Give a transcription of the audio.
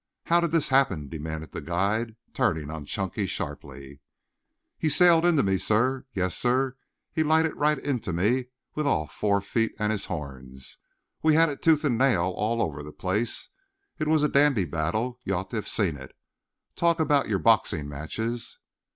"How did this happen?" demanded the guide, turning on Chunky sharply. "He sailed into me, sir. Yes, sir, he lighted right into me with all four feet and his horns. We had it tooth and nail all over the place. It was a dandy battle. You ought to have seen it. Talk about your boxing matches."